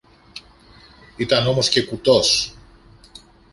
Ήταν όμως και κουτός!